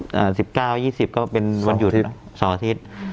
วันที่๑๙วันที่๒๐ก็เป็นวันหยุดสองอาทิตย์